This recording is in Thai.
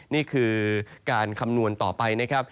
นี่คือการคำนวณต่อไปนะครับ